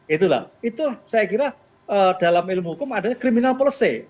itulah saya kira dalam ilmu hukum adalah criminal policy